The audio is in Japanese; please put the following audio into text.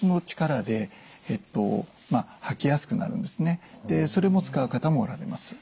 あとはそれも使う方もおられます。